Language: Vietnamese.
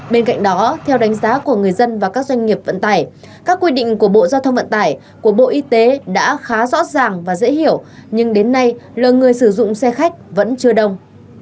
bên cạnh đó theo đánh giá của người dân và các doanh nghiệp vận tải các quy định của bộ giao thông vận tải của bộ y tế đã khá rõ ràng và dễ hiểu nhưng đến nay lượng người sử dụng xe khách vẫn chưa đông